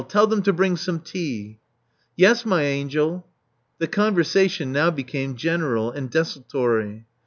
Tell them to bring some tea/' *'Yes, my angel.*' '*The conversation now became general and desultory.